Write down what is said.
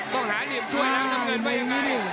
โตขาเหลี่ยมช่วยล้างน้ำเงินไปอย่างไร